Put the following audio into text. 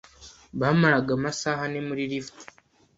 Bamaraga amasaha ane muri lift.